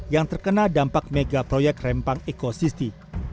yang terkena dampak mega proyek rempang ekosiste